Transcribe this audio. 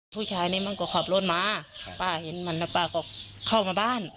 ผู้ชายนี้มันก็ขับรถมาป้าเห็นมันแล้วป้าก็เข้ามาบ้าน